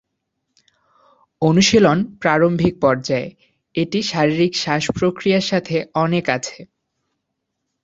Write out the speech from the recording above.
অনুশীলন প্রারম্ভিক পর্যায়ে, এটি শারীরিক শ্বাস প্রক্রিয়ার সাথে অনেক আছে।